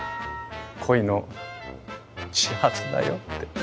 恋の始発だよ」って。